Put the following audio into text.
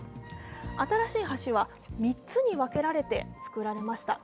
新しい橋は３つの分けられて造られました。